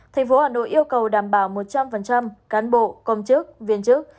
tp hà nội yêu cầu đảm bảo một trăm linh cán bộ công chức viên chức